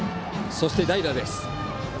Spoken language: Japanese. そして、代打です。